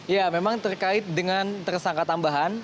ya memang terkait dengan tersangka tambahan